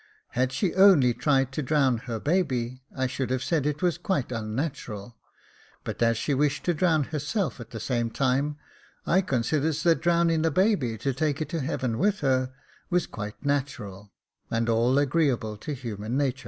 Had she only tried to drown her baby, I should have said it was quite unnatural ; but as she wished to drown herself at the same time, I con siders that drowning the baby to take it to heaven with her was quite natural, and all agreeable to human natur.